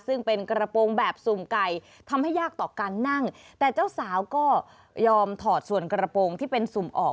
ซึ่งเป็นกระโปรงแบบสุ่มไก่ทำให้ยากต่อการนั่งแต่เจ้าสาวก็ยอมถอดส่วนกระโปรงที่เป็นสุ่มออก